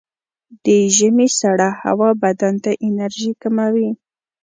د ژمي سړه هوا بدن ته انرژي کموي.